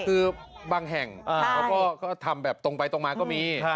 คือบางแห่งเขาก็ทำแบบตรงไปตรงมาก็มี